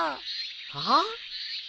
はあ？